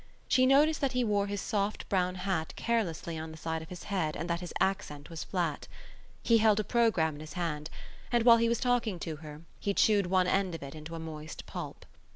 She noticed that he wore his soft brown hat carelessly on the side of his head and that his accent was flat. He held a programme in his hand and, while he was talking to her, he chewed one end of it into a moist pulp.